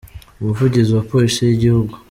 umuvugizi wa polisi y’igihugu